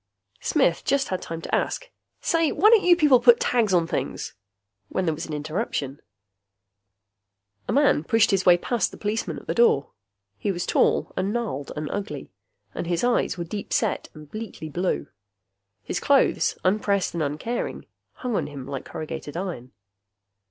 Smith just had time to ask, "Say, why don't you people put tags on things?" when there was an interruption. A man pushed his way past the policeman at the door. He was tall and gnarled and ugly, and his eyes were deep set and bleakly blue. His clothes, unpressed and uncaring, hung on him like corrugated iron.